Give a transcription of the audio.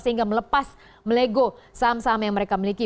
sehingga melepas melego saham saham yang mereka miliki